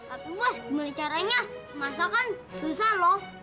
tapi bos gimana caranya masakan susah lho